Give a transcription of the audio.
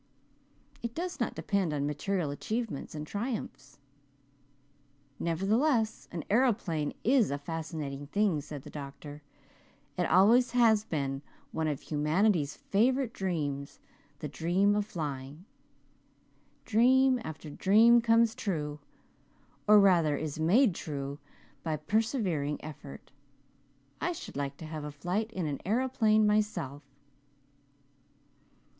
"It does not depend on material achievements and triumphs." "Nevertheless, an aeroplane is a fascinating thing," said the doctor. "It has always been one of humanity's favourite dreams the dream of flying. Dream after dream comes true or rather is made true by persevering effort. I should like to have a flight in an aeroplane myself."